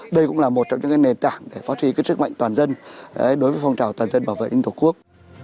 đây cũng là một trong những nền tảng để phó trì sức mạnh toàn dân đối với phong trào toàn dân bảo vệ nhân dân tổ quốc